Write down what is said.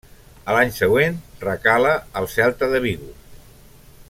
A l'any següent recala al Celta de Vigo.